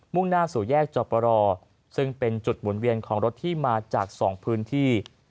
่งหน้าสู่แยกจอปรซึ่งเป็นจุดหมุนเวียนของรถที่มาจาก๒พื้นที่